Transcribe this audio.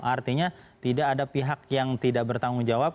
artinya tidak ada pihak yang tidak bertanggung jawab